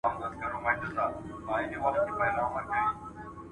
حضوري زده کړه د بدن ژبي مهارتونه بې تمرين سره نه پياوړې کيږي.